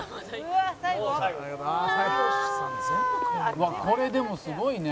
「うわっこれでもすごいね」